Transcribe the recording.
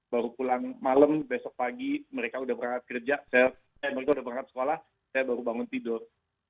baru pulang malam besok pagi mereka sudah berangkat sekolah saya baru bangun tidur